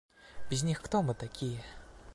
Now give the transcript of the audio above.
Без них – кто мы такие?